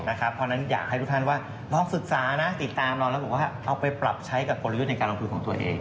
เพราะฉะนั้นอยากให้ทุกท่านว่าลองศึกษานะติดตามเราแล้วบอกว่าเอาไปปรับใช้กับกลยุทธ์ในการลงทุนของตัวเอง